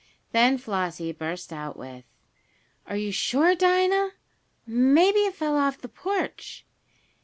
Then Flossie burst out with: "Are you sure, Dinah? Maybe it fell off the porch."